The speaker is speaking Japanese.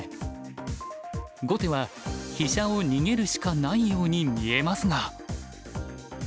後手は飛車を逃げるしかないように見えますが。